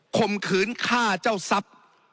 ข่มขืนฆ่าเจ้าทรัพย์